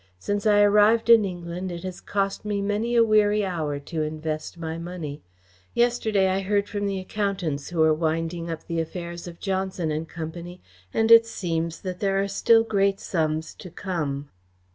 "Since I arrived in England it has cost me many a weary hour to invest my money. Yesterday I heard from the accountants who are winding up the affairs of Johnson and Company, and it seems that there are still great sums to come."